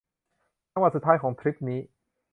จังหวัดสุดท้ายของทริปนี้